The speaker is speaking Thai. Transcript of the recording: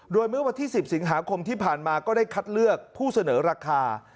โดยเมื่อวันที่๑๐สิงหาคมที่ผ่านมาก็ได้คัดเลือกผู้เสนอราคา